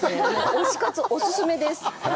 推し活お勧めです！